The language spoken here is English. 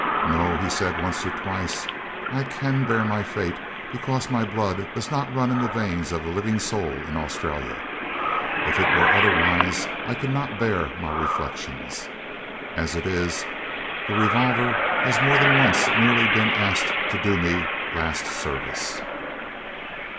'No,' he said, once or twice, 'I can bear my fate, because my blood does not run in the veins of a living soul in Australia. If it were otherwise I could not bear my reflections. As it is, the revolver has more than once nearly been asked to do me last service.'